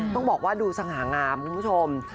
ต้องบอกว่าดูสง่างามคุณผู้ชม